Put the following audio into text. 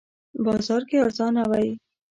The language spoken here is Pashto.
بازار کې ارزانه وی